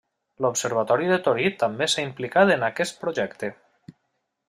L'Observatori de Torí també s'ha implicat en aquest projecte.